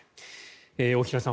大平さん